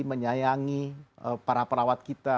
menyayangi para perawat kita